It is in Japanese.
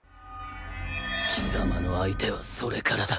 貴様の相手はそれからだ。